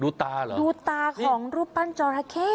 ตาเหรอดูตาของรูปปั้นจอราเข้